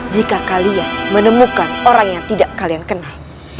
jika kalian menemukan orang yang tidak kalian kenal